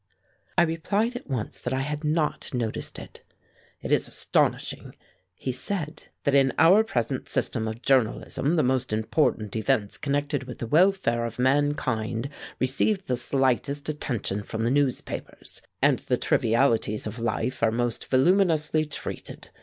I replied at once that I had not noticed it. "It is astonishing," he said, "that in our present system of journalism the most important events connected with the welfare of mankind receive the slightest attention from the newspapers, and the trivialities of life are most voluminously treated.